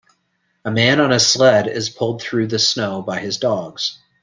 A man on a sled is pulled through the snow by his dogs.